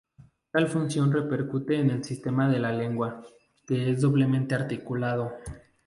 Tal función repercute en el sistema de la lengua, que es doblemente articulado.